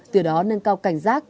từ đó nên cao cảnh giác